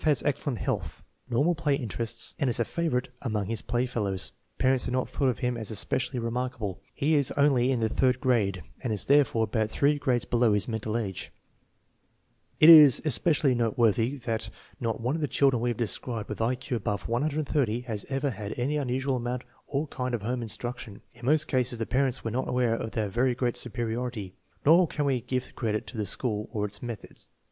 F. has excellent health, normal play interests, and is a favorite among his playfellows. Parents had not thought of him as especially re FIG. 16. BALL AND FIELD. B. F., markable . He is only in the third AGE 7 8; MENTAL AGE 12 4; grade, and is therefore about three I Q 160 grades below his mental age. [ (This is a 12 year performance) It is especially noteworthy that not one of the children we have described with I Q above 130 has ever had any unusual amount or kind of home instruction. In most cases the parents were not aware of their very great superiority. Nor can we give the credit to the school or its methods.